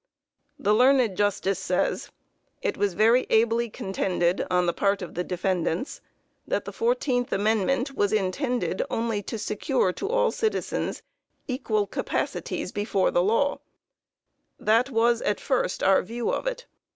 The learned justice says: "It was very ably contended on the part of the defendants that the fourteenth amendment was intended only to secure to all citizens equal capacities before the law. That was at first our view of it.